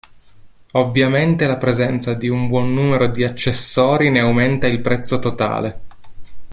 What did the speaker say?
Ovviamente la presenza di un buon numero di accessori ne aumenta il prezzo totale.